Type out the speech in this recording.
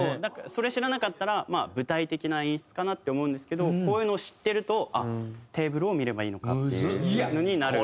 それ知らなかったらまあ舞台的な演出かなって思うんですけどこういうのを知ってるとあっテーブルを見ればいいのかっていうのになる。